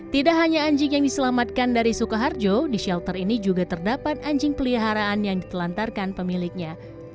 tidak hanya anjing yang diselamatkan dari sukoharjo di shelter ini juga terdapat anjing peliharaan yang ditelantarkan pemiliknya